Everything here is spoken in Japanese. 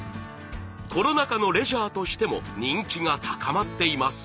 コロナ禍のレジャーとしても人気が高まっています。